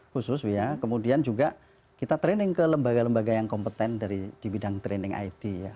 khusus ya kemudian juga kita training ke lembaga lembaga yang kompeten dari di bidang training it ya